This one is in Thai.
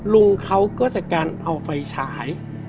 ลุงเขาก็จัดการเอาไฟฉาย